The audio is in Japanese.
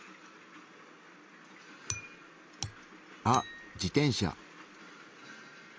あっ自転車。